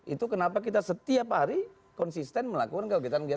itu kenapa kita setiap hari konsisten melakukan kegiatan kegiatan